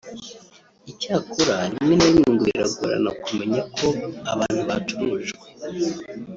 Icyakora rimwe na rimwe ngo biragorana kumenya ko abantu bacurujwe